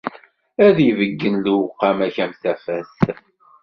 Ad d-ibeyyen lewqama-k am tafat.